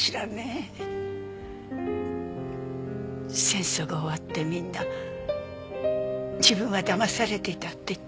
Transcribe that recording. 戦争が終わってみんな自分はだまされていたって言ったけど。